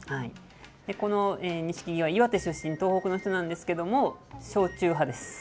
この錦木は岩手出身、東北の人なんですけれども、焼酎派です。